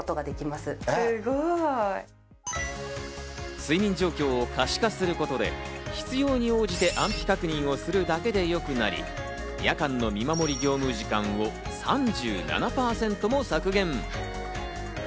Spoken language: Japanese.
睡眠状況を可視化することで必要に応じて安否確認をするだけで良くなり、夜間の見守り業務時間を３７％も削減。